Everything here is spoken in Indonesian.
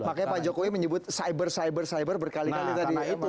makanya pak jokowi menyebut cyber cyber cyber berkali kali tadi ya mas suswana